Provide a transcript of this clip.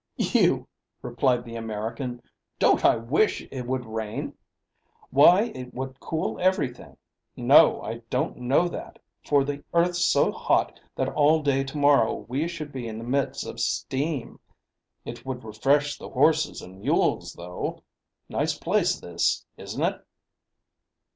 "You," replied the American. "Don't I wish it would rain! Why, it would cool everything. No, I don't know that, for the earth's so hot that all day to morrow we should be in the midst of steam. It would refresh the horses and mules, though. Nice place this, isn't it?"